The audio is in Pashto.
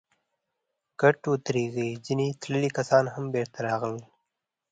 کډې ودرېدې، ځينې تللي کسان هم بېرته راغلل.